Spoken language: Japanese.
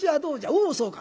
おおそうか。